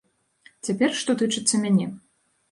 Цяпер, што тычыцца мяне.